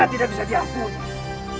tidak bisa dihapus